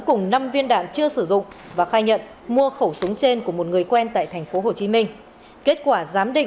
cùng năm viên đạn chưa sử dụng và khai nhận mua khẩu súng trên của một người quen tại tp hcm kết quả giám định xác định khẩu súng trên là súng quân dụng